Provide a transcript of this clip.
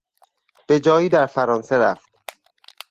به جایی در فرانسه رفت.